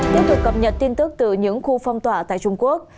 tiếp tục cập nhật tin tức từ những khu phong tỏa tại trung quốc